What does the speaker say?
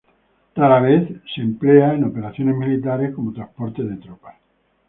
Rara vez es empleado en operaciones militares como transporte de tropas.